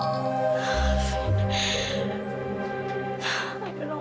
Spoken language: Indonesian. mama harus tahu evita yang salah